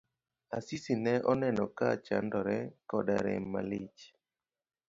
Asisi ne oneno ka ochandore koda rem malich.